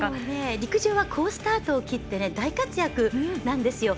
陸上は好スタートを切って大活躍なんですよ。